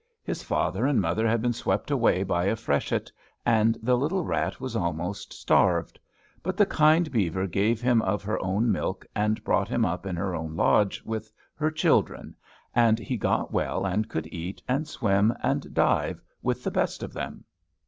His father and mother had been swept away by a freshet, and the little rat was almost starved. But the kind beaver gave him of her own milk, and brought him up in her own lodge with her children, and he got well, and could eat, and swim, and dive with the best of them.